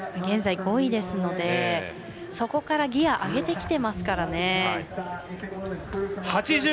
現在５位ですのでそこからギヤを上げてきていますからね。